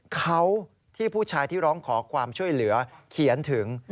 เขาที่ผู้ชายที่ร้องขอความช่วยเหลือเขียนถึง